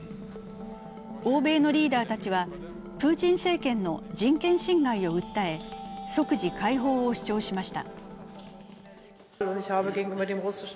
欧米のリーダーたちは、プーチン政権の人権侵害を訴え即時解放を主張しました。